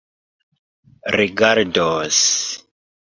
rigardos